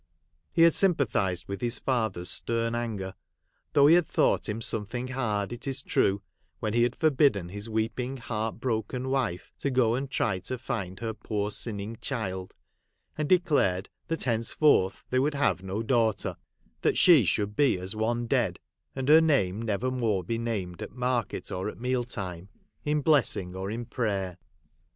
He had sympathised with his father's stern anger ; though he had thought him some thing hard, it is true, when he had forbidden his weeping, heart broken wife to go and tiy to find her poor sinning child, and declared that henceforth they would have no daughter ; that she should be as one dead, and her name never more be named at market or at meal time, in blessing or in prayer.